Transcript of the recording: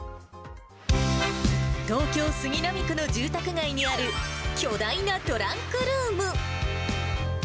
東京・杉並区の住宅街にある、巨大なトランクルーム。